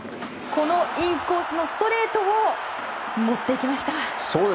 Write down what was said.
このインコースのストレートを持っていきました。